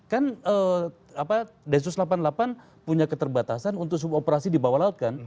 kan densus delapan puluh delapan punya keterbatasan untuk operasi di bawah laut kan